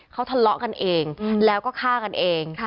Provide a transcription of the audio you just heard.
เขาทะเลาะกันเองแล้วก็ฆ่ากันเอง